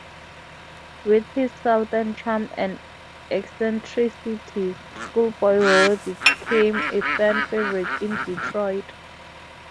With his southern charm and eccentricities, Schoolboy Rowe became a fan favorite in Detroit.